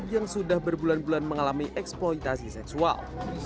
yang sudah berbulan bulan mengalami eksploitasi seksual